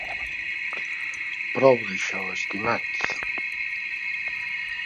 Prou d'això, estimat!